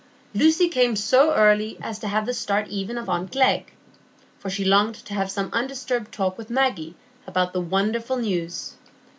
Lucy came so early as to have the start even of aunt Glegg; for she longed to have some undisturbed talk with Maggie about the wonderful news.